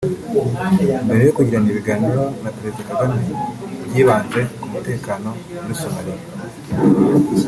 mbere yo kugirana ibiganiro na Perezida Kagame byibanze ku mutekano muri Somalia